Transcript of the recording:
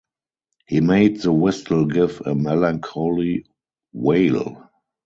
He made the whistle give a melancholy wail.